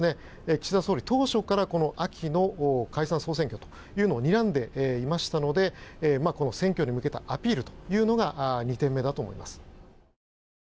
岸田総理、当初から秋の解散・総選挙というのをにらんでいましたので選挙に向けたアピールというのが２点目だと思います。